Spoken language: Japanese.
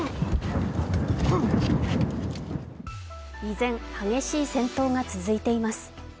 依然、激しい戦闘が続いています。